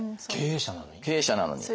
経営者なのに？